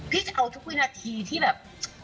จะเอาทุกวินาทีที่แบบ